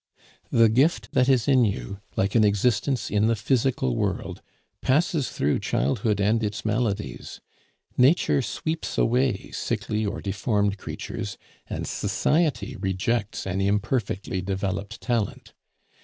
The gift that is in you, like an existence in the physical world, passes through childhood and its maladies. Nature sweeps away sickly or deformed creatures, and Society rejects an imperfectly developed talent.